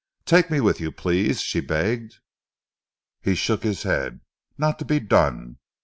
"Take me with you, please," she begged. He shook his head. "Not to be done!"